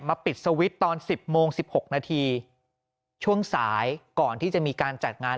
ปิดสวิตช์ตอน๑๐โมง๑๖นาทีช่วงสายก่อนที่จะมีการจัดงาน